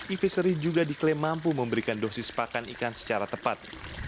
evisery juga diklaim mampu memberikan dosis pakan ikan secara tepat